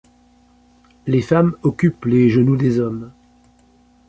Les femmes occupent les genoux des hommes.